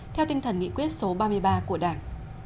theo tinh thần nghị quyết số ba mươi ba của đảng